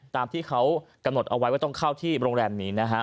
ตามที่เขากำหนดเอาไว้ว่าต้องเข้าที่โรงแรมนี้นะฮะ